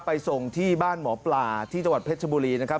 ส่งที่บ้านหมอปลาที่จังหวัดเพชรชบุรีนะครับ